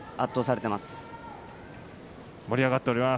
盛り上がっております。